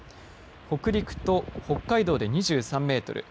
北陸と北海道で２３メートル。